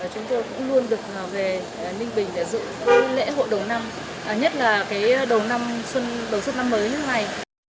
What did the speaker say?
chúng tôi cũng luôn được về ninh bình để dự lễ hội đầu năm nhất là đầu xuất năm mới nước này